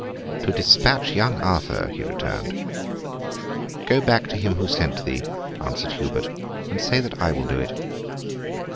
'To despatch young Arthur,' he returned. 'Go back to him who sent thee,' answered Hubert, 'and say that I will do it!